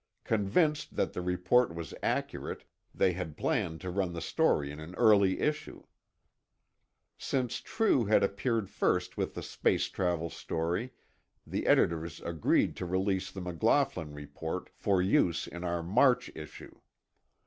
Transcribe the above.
Convinced that the report was accurate, they had planned to run the story in an early issue. Since True had appeared first with the space travel story, the editors agreed to release the McLaughlin report for use in our March issue.